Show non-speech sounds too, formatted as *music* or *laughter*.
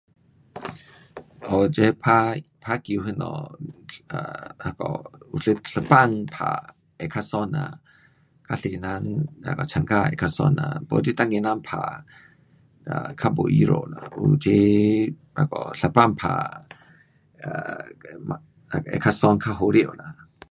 *noise* 哦，这打，打球什么 um 那个有一，一班打会叫爽啦。较多人 um 参加会较爽啦。没你单个人打 um 较没意思啦。有齐那个一班打，um 嘛会较爽较好笑。